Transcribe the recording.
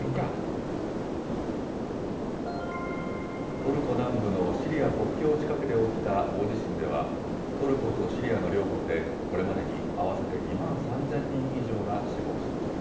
トルコ南部のシリア国境近くで起きた大地震では、トルコとシリアの両国で、これまでに合わせて２万３０００人以上が死亡しました。